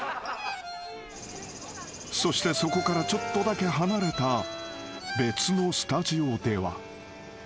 ［そしてそこからちょっとだけ離れた別のスタジオでは］